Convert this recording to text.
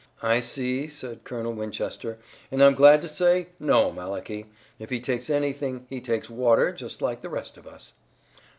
"I see," said Colonel Winchester, "and I'm glad to say no, Malachi. If he takes anything he takes water just like the rest of us."